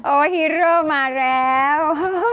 โอ้วฮีโร่มาแล้ว